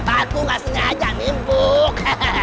aku nggak sengaja mimpuk